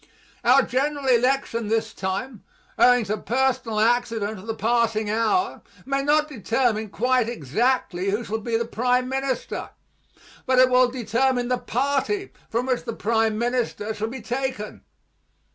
Our general election this time, owing to personal accident of the passing hour, may not determine quite exactly who shall be the prime minister, but it will determine the party from which the prime minister shall be taken.